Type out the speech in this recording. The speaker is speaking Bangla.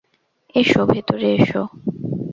এসো, ভেতরে এসো।